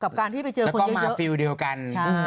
กับการที่ไปเจอแล้วก็มาฟิลเดียวกัน